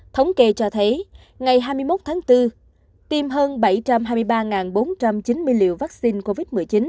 thống kê cho thấy ngày hai mươi một tháng bốn tiêm hơn bảy trăm hai mươi ba bốn trăm chín mươi liều vaccine covid một mươi chín